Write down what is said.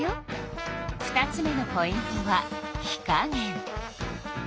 ２つ目のポイントは火加減。